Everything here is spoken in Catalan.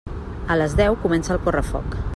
A les deu comença el correfoc.